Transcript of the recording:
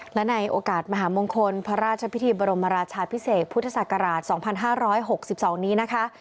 และในโอกาสมหามงคลพระราชพิธีบรมราชาพิเศษพุทธศักราช๒๕๖๒นี้นะคะ